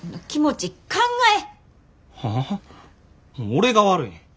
俺が悪いん。